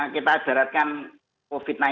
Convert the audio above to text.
kita daratkan covid sembilan belas